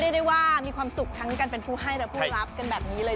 ได้ว่ามีความสุขทั้งการเป็นผู้ให้และผู้รับกันแบบนี้เลย